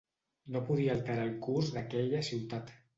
No podia alterar el curs d'aquella ciutat.